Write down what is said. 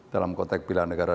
dalam konteks pilihan negara